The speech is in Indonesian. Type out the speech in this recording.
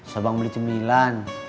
sabang beli cemilan